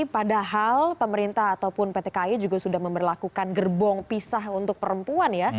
padahal pemerintah ataupun pt kai juga sudah memperlakukan gerbong pisah untuk perempuan ya